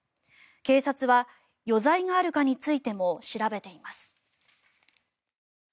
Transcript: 警察は余罪があるかについても調べています。